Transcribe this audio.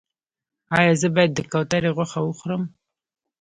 ایا زه باید د کوترې غوښه وخورم؟